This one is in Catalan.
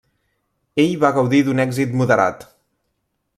Ell va gaudir d'un èxit moderat.